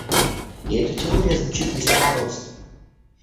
И эта теория звучит весьма просто.